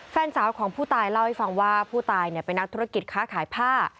แฟนสาวของผู้ตายเล่าให้ฟังว่าผู้ตายเป็นนักธุรกิจค้าขายผ้า